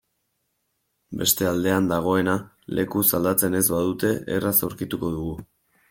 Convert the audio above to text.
Beste aldean dagoena lekuz aldatzen ez badute erraz aurkituko dugu.